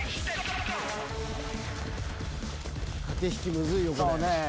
駆け引きむずいよこれ。